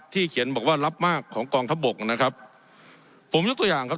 เขียนบอกว่ารับมากของกองทัพบกนะครับผมยกตัวอย่างครับ